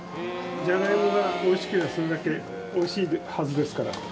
ジャガイモがおいしければ、それだけおいしいはずですから。